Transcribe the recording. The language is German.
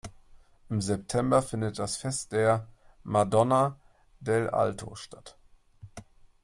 Im September findet das Fest der "Madonna dell’Alto" statt.